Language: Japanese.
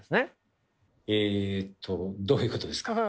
えとどういうことですか？